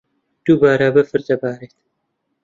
دووبارە بەفر دەبارێت.